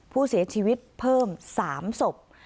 ผู้เสียชีวิตเพิ่ม๓ศพ